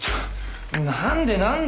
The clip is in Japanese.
なんでなんで？